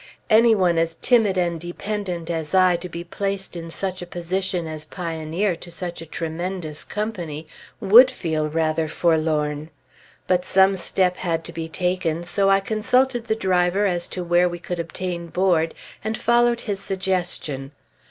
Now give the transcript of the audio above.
Any one as timid and dependent as I to be placed in such a position as pioneer to such a tremendous company would feel rather forlorn. But some step had to be taken, so I consulted the driver as to where we could obtain board, and followed his suggestion.